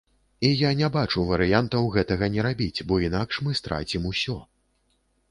І я не бачу варыянтаў гэтага не рабіць, бо інакш мы страцім усё.